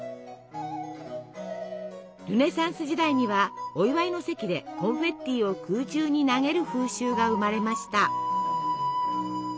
ルネサンス時代にはお祝いの席でコンフェッティを空中に投げる風習が生まれました。